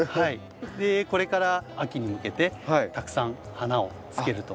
これから秋に向けてたくさん花をつけると思います。